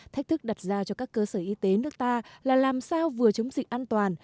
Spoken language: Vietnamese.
thách thức đặt ra cho các cơ sở y tế nước ta là làm sao vừa chống dịch an toàn